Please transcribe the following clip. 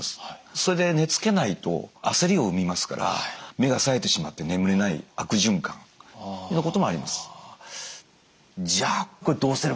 それで寝つけないと焦りを生みますから目がさえてしまって眠れない悪循環のようなこともあります。